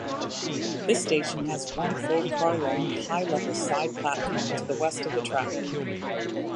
This station has one four-car-long high-level side platform to the west of the track.